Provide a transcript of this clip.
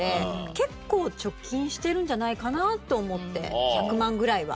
結構貯金してるんじゃないかな？と思って１００万ぐらいは。